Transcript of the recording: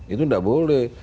itu tidak boleh